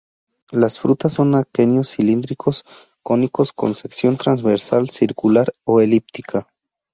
Las frutas son aquenios cilíndricos o cónicos con sección transversal circular o elíptica.